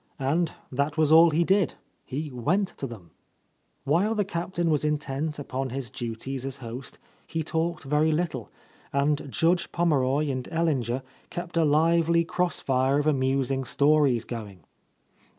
And that was all he did, — he went to them. While the Captain was intent upon his duties as host he talked very little, and Judge Pommeroy and Ellinger kept a lively cross fire of amusing stories going.